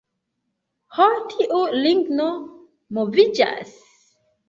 Ho tiu ligno moviĝas...